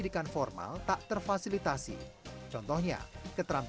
di kuliah penggelang sekolah